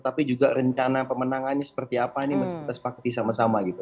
tapi juga rencana pemenangannya seperti apa ini mesti kita sepakati sama sama gitu